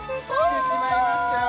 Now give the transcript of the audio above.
来てしまいましたよ